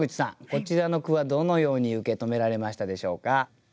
こちらの句はどのように受け止められましたでしょうか？